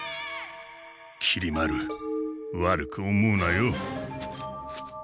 きり丸悪く思うなよ。